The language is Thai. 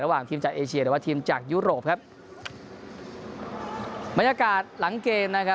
ทีมจากเอเชียหรือว่าทีมจากยุโรปครับบรรยากาศหลังเกมนะครับ